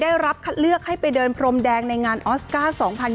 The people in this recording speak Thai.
ได้รับคัดเลือกให้ไปเดินพรมแดงในงานออสการ์๒๐๒๐